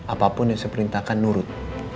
apapun yang saya perintahkan nurut